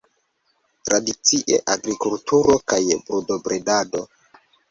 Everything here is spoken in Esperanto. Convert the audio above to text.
Tradicie agrikulturo kaj brutobredado.